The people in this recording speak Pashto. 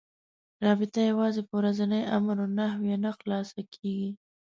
رابطه یوازې په ورځنيو امر و نهيو نه خلاصه کېږي.